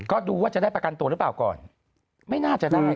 ก็ดูว่าจะได้ประกันตัวหรือเปล่าก่อนไม่น่าจะได้